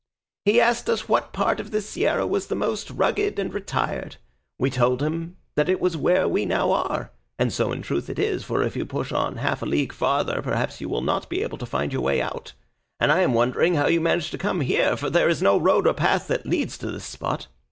He asked us what part of this sierra was the most rugged and retired; we told him that it was where we now are; and so in truth it is, for if you push on half a league farther, perhaps you will not be able to find your way out; and I am wondering how you have managed to come here, for there is no road or path that leads to this spot.